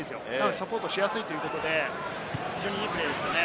サポートしやすいということで、非常にいいプレーですね。